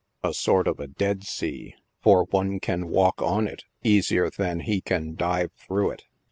A sort of a Dead Sea, for one can walk on it easier than he can dive through it.